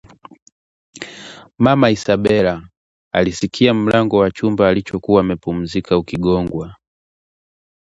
mama Isabela alisikia mlango wa chumba alichokuwa amepumzika unagongwa